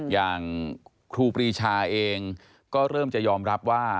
ครูปรีชาเองก็เริ่มจะยอมรับว่า